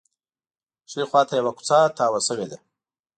ښي خوا ته یوه کوڅه تاوه شوې ده.